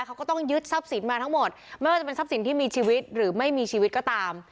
เขาก็ต้องยึดทรัพย์สินมาทั้งหมดไม่ว่าจะเป็นทรัพย์สินที่มีชีวิตหรือไม่มีชีวิตก็ตาม